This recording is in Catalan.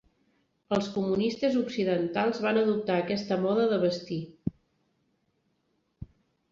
Els comunistes occidentals van adoptar aquesta moda de vestir.